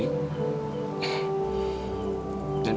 dan aku enggak mau